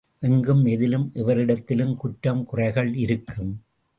எங்கும் எதிலும் எவரிடத்திலும் குற்றம் குறைகள் இருக்கும்.